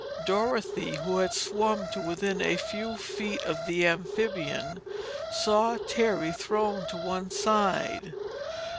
Dorothy, who had swum to within a few feet of the amphibian, saw Terry thrown to one side.